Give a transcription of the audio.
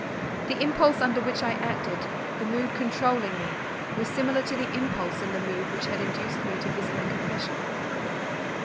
The impulse under which I acted, the mood controlling me, were similar to the impulse and the mood which had induced me to visit the confessional.